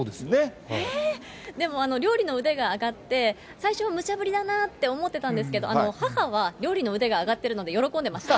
でも、料理の腕が上がって、最初はむちゃぶりだなと思ってたんですけど、母は料理の腕が上がっているので、喜んでました。